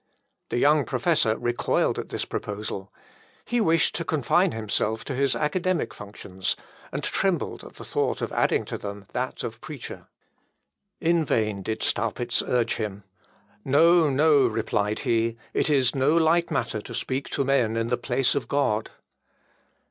The young professor recoiled at this proposal. He wished to confine himself to his academic functions, and trembled at the thought of adding to them that of preacher. In vain did Staupitz urge him. "No, no," replied he, "it is no light matter to speak to men in the place of God."